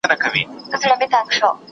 ¬ يوه د خوارۍ ژړله، بل ئې د خولې پېښې کولې.